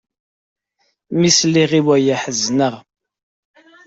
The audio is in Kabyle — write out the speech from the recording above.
Mi sliɣ i waya, ḥezneɣ.